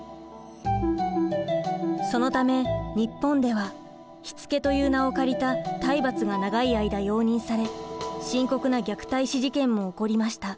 そのため日本では「しつけ」という名を借りた「体罰」が長い間容認され深刻な虐待死事件も起こりました。